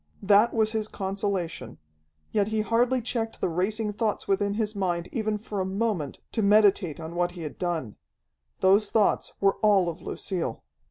That was his consolation. Yet he hardly checked the racing thoughts within his mind even for a moment, to meditate on what he had done. Those thoughts were all of Lucille.